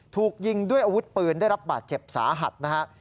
ถูกยิงด้วยอาวุธปืนได้รับบาดเจ็บสาหัสนะครับ